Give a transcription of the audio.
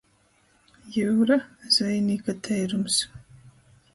Jiura – zvejnīka teirums.